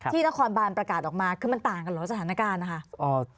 นครบานประกาศออกมาคือมันต่างกันเหรอสถานการณ์นะคะ